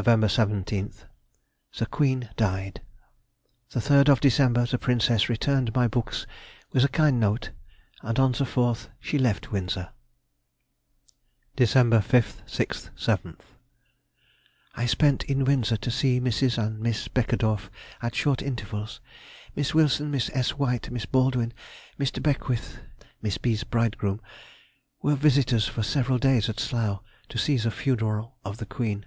Nov. 17th.—The Queen died. The 3rd of December the Princess returned my books with a kind note, and on the 4th she left Windsor. Dec. 5th, 6th, 7th.—I spent in Windsor to see Mrs. and Miss Beckedorff at short intervals. Miss Wilson, Miss S. White, Miss Baldwin, Mr. Beckwith (Miss B.'s bridegroom) were visitors for several days at Slough, to see the funeral of the Queen.